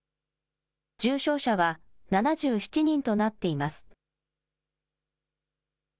重症者は７７人となっています。